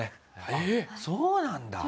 あっそうなんだ。